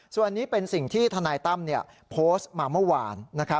ส่วนนี้เป็นสิ่งที่ทนายตั้มโพสต์มาเมื่อวาน